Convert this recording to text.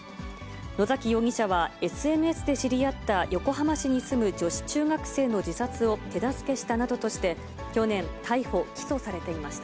野崎容疑者はＳＮＳで知り合った横浜市に住む女子中学生の自殺を手助けしたなどとして去年、逮捕・起訴されていました。